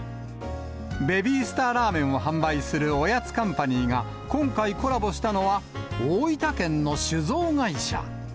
ベビースターラーメンを販売するおやつカンパニーが、今回コラボしたのは、大分県の酒造会社。